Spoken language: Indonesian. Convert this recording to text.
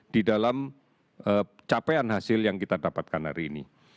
di dalam capaian hasil yang kita dapatkan hari ini